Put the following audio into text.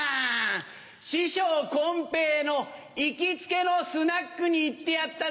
師匠こん平の行きつけのスナックに行ってやったぜ。